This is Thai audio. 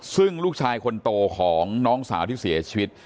ซึ่งลูกชายคนโตของน้องสาวที่เสียชีวิต